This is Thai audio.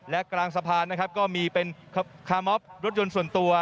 และกลางสะพานนะครับก็มีเป็นคามอฟรถยนต์ส่วนตัว